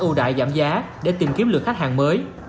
ưu đại giảm giá để tìm kiếm lượt khách hàng mới